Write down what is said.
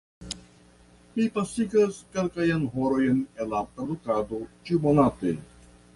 Mi pasigas kelkajn horojn en la tradukado ĉiumonate.